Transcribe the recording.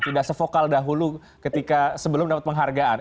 tidak se vokal dahulu ketika sebelum dapat penghargaan